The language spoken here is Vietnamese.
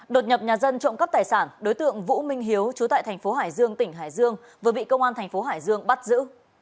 đột nhập nhà dân trộm cắp tài sản đối tượng vũ minh hiếu chú tại thành phố hải dương tỉnh hải dương vừa bị công an thành phố hải dương bắt giữ